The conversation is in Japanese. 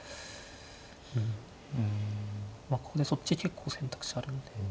ここでそっち結構選択肢あるんで。